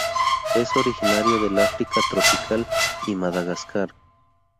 Es originario del África tropical y Madagascar.